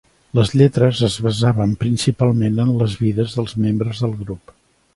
Les lletres es basaven principalment en les vides dels membres del grup.